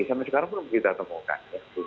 sampai sekarang belum kita temukan